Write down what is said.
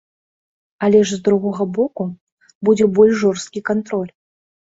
Але ж з другога боку, будзе больш жорсткі кантроль.